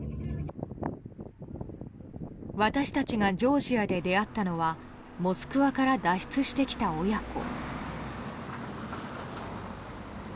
私たちがジョージアで出会ったのはモスクワから脱出してきた親子。